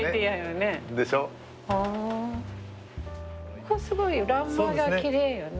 ここすごい欄間がきれいよね。